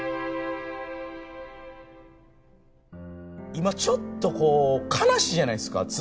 今ちょっとこう悲しいじゃないですかずっと。